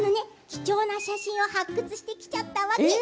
貴重な写真を発掘してきちゃったわって。